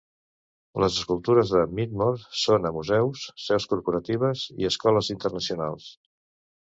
Les escultures de Meadmore són a museus, seus corporatives i escoles internacionals.